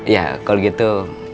ya kalau gitu